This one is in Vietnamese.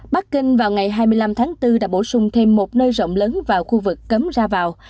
bắc kinh vào ngày hai mươi năm tháng bốn đã bổ sung thêm một nơi rộng lớn vào khu vực cấm ra vào